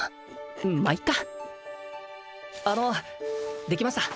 まっいっかあのできました